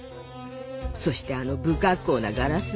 そしてあの不格好なガラス。